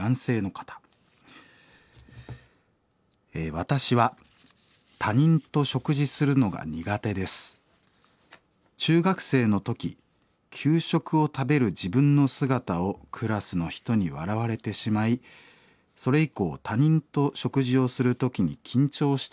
「私は他人と食事するのが苦手です。中学生の時給食を食べる自分の姿をクラスの人に笑われてしまいそれ以降他人と食事をする時に緊張してしまいつらいです。